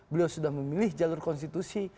beliau sudah memilih jalur konstitusi